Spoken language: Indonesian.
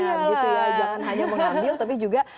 jangan hanya mengambil tapi juga